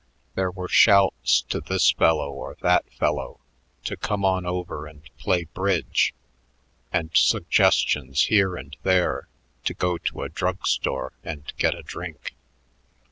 There were shouts to this fellow or that fellow to come on over and play bridge, and suggestions here and there to go to a drug store and get a drink.